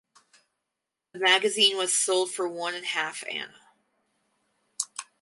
The magazine was sold for one and half anna.